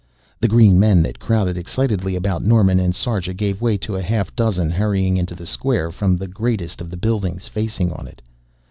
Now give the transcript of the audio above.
The green men that crowded excitedly about Norman and Sarja gave way to a half dozen hurrying into the square from the greatest of the buildings facing on it.